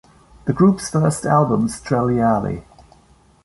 The group's first album Strelyali?